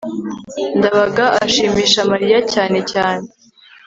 ndabaga ashimisha mariya cyane cyane